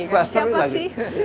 kelas teri lagi